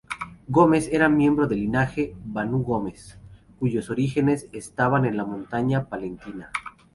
Gómez era miembro del linaje Banu Gómez, cuyos orígenes estaban en la Montaña Palentina.